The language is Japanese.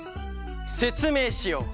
せつめいしよう！